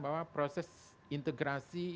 bahwa proses integrasi